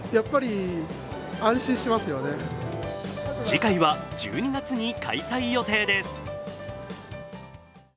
次回は１２月に開催予定です。